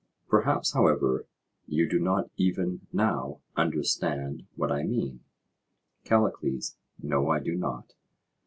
Perhaps, however, you do not even now understand what I mean? CALLICLES: No, I do not.